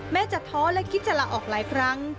จะท้อและคิดจะลาออกหลายครั้ง